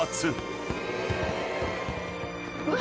うわ！